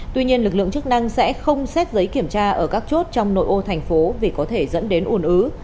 tuy nhiên lực lượng chức năng sẽ không xét giấy kiểm tra ở các chốt trong nội ô thành phố vì có thể dẫn đến ủn ứ